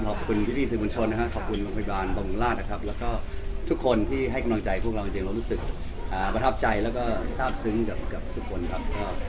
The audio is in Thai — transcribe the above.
ขอบคุณพี่สิงคุณชนนะครับขอบคุณบริษัทบริษัทบริษัทบริษัทและทุกคนที่ให้กำลังใจพวกเรารู้สึกประทับใจและทราบซึ้งกับทุกคนครับ